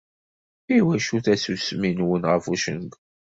Iwacu tasusmi-nwen ɣef ucengu?.